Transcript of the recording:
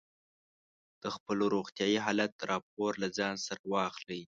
د خپل روغتیايي حالت راپور له ځان سره واخلئ.